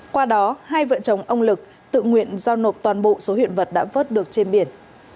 qua đó hai vợ chồng ông lực tự nguyện giao nộp toàn bộ số hiện vật đã vớt được trên biển